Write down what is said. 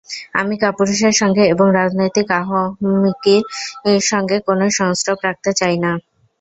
আমি কাপুরুষদের সঙ্গে এবং রাজনৈতিক আহাম্মকির সঙ্গে কোন সংস্রব রাখতে চাই না।